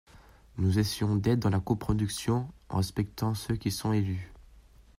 Nous essayons d’être dans la coproduction, en respectant ceux qui sont élus.